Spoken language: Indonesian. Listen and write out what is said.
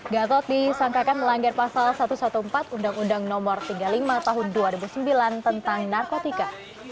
gatot disangkakan melanggar pasal satu ratus empat belas undang undang no tiga puluh lima tahun dua ribu sembilan tentang narkotika